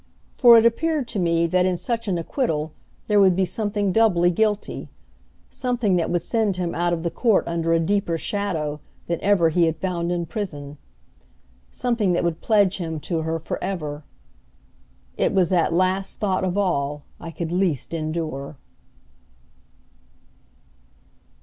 For it appeared to me that in such an acquittal there would be something doubly guilty; something that would send him out of the court under a deeper shadow than ever he had found in prison; something that would pledge him to her for ever. It was that last thought of all I could least endure.